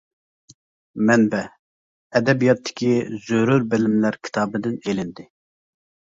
مەنبە : ئەدەبىياتتىكى زۆرۈر بىلىملەر كىتابىدىن ئېلىندى.